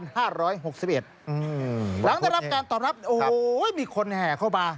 ได้รับการตอบรับโอ้โหมีคนแห่เข้ามา